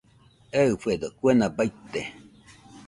Eɨfedo kuena baite